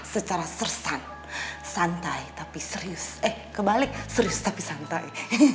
secara sersan santai tapi serius eh kebalik serius tapi santai